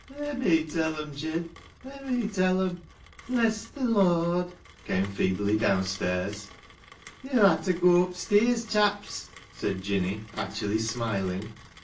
" Ler me tell 'em, Jin — ler me tell 'em. Bless th' Lord !" came feebly downstairs. " Yo'll ha' ta goa upst'irs, chaps," said Jinny, actually smiling.